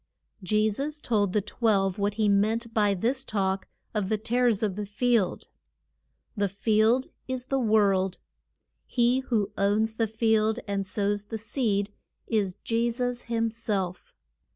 Je sus told the twelve what he meant by this talk of the tares of the field. The field is the world. He who owns the field and sows the seed, is Je sus him self.